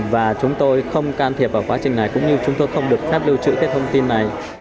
và chúng tôi không can thiệp vào quá trình này cũng như chúng tôi không được phát lưu trữ cái thông tin này